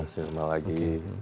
masih bisa maksimal lagi